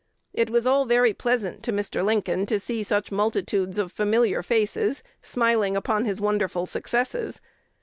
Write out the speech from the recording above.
It was all very pleasant to Mr. Lincoln to see such multitudes of familiar faces smiling upon his wonderful successes.